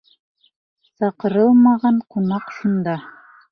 Саҡырылмаған ҡунаҡ шунда.